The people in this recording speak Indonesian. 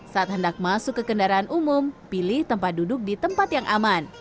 saat hendak masuk ke kendaraan umum pilih tempat duduk di tempat yang aman